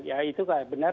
ya itu benar